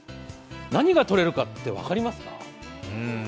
何がとれるかって、分かりますか？